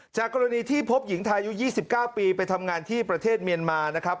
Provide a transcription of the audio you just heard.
จากกรณีที่พบหญิงไทยอายุ๒๙ปีไปทำงานที่ประเทศเมียนมานะครับ